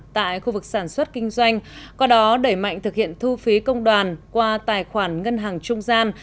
tại khu vực sản xuất kinh doanh qua đó đẩy mạnh thực hiện thu phí công đoàn qua tài khoản ngân hàng trung gian